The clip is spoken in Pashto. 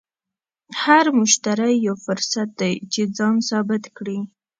هر مشتری یو فرصت دی چې ځان ثابت کړې.